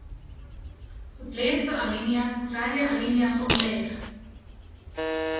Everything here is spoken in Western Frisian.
Ferpleats de alinea trije alinea's omleech.